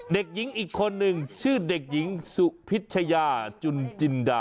เด็กหญิงอีกคนนึงชื่อเด็กหญิงสุพิชยาจุนจินดา